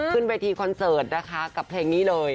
ขึ้นเวทีคอนเสิร์ตนะคะกับเพลงนี้เลย